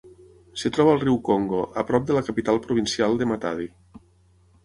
Es troba al riu Congo, a prop de la capital provincial de Matadi.